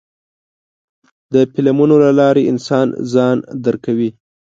د فلمونو له لارې انسان ځان درکوي.